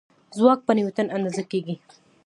ځواک په نیوټن اندازه کېږي.